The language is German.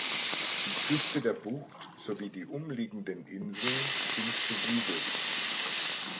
Die Küste der Bucht sowie die umliegenden Inseln sind besiedelt.